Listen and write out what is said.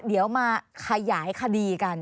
เดี๋ยวมาขยายคดีกัน